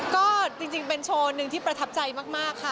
ก็จริงเป็นโชว์หนึ่งที่ประทับใจมากค่ะ